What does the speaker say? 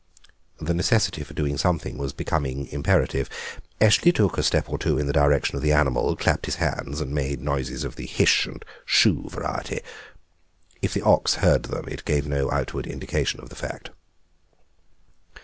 The necessity for doing something was becoming imperative. Eshley took a step or two in the direction of the animal, clapped his hands, and made noises of the "Hish" and "Shoo" variety. If the ox heard them it gave no outward indication of the fact.